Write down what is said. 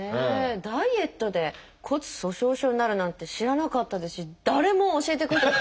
ダイエットで骨粗しょう症になるなんて知らなかったですし誰も教えてくれなかった。